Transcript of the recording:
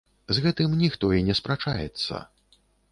З гэтым ніхто і не спрачаецца.